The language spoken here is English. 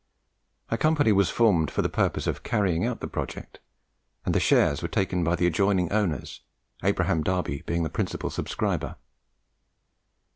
A company was formed for the purpose of carrying out the project, and the shares were taken by the adjoining owners, Abraham Darby being the principal subscriber.